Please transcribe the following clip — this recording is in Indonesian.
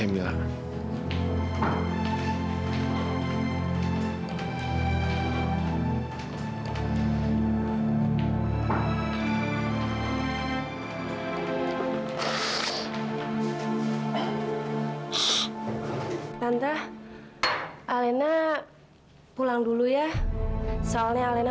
ya makasih alena